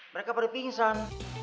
mereka pada pingsan